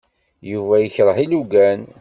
Yuba yekṛeh ilugan.